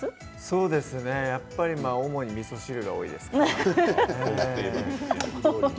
そうですねやっぱり主にみそ汁が多いですかね。